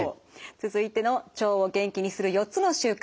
続いての「腸を元気にする４つの習慣」